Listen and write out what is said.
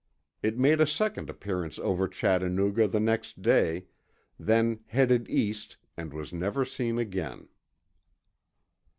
It made a second appearance over Chattanooga the next day, then headed east and was never seen again.